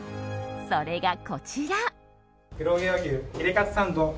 それが、こちら。